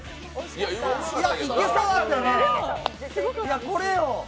いけそうだったよな！